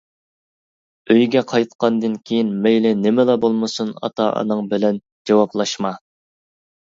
ئۆيگە قايتقاندىن كېيىن مەيلى نېمىلا بولمىسۇن، ئاتا-ئاناڭ بىلەن جاۋابلاشما.